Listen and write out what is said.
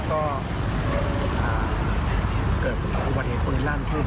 อุบัติเหตุปืนร่างชุดไม่มีเพื่อนได้รับบาดเจ็บ